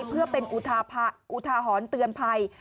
เพื่อเป็นอุทาหรณ์เตือนภัย